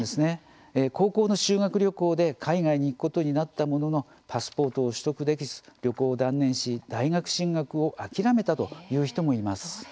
高校の修学旅行で海外に行くことになったもののパスポートを取得できず旅行を断念し、大学進学を諦めたという人もいます。